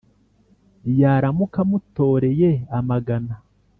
yaramuka amutoreye amagana